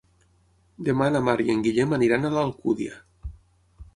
Demà na Mar i en Guillem aniran a l'Alcúdia.